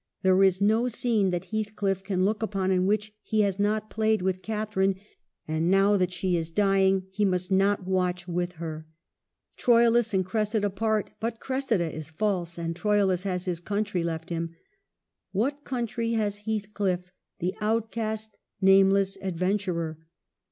There is no scene that Heathcliff can look upon in which he has not played with Catharine : and, now that she is dying, he must not watch with her. Troilus and Cressida part ; but Cressida is false, and Troilus has his country left him. What country has Heathcliff, the outcast, name less adventurer